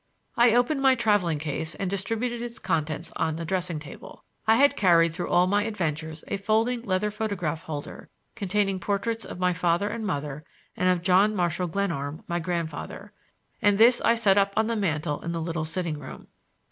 I opened my traveling case and distributed its contents on the dressing table. I had carried through all my adventures a folding leather photograph holder, containing portraits of my father and mother and of John Marshall Glenarm, my grandfather, and this I set up on the mantel in the little sitting room.